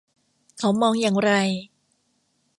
เขามองอย่างไร